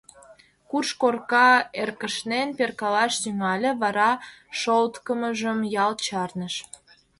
Курш корка эркышнен перкалаш тӱҥале, вара шолткымыжым ялт чарныш.